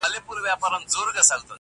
بیا حملې سوې د بازانو شاهینانو.!